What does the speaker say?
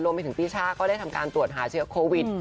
ไปถึงปีช่าก็ได้ทำการตรวจหาเชื้อโควิด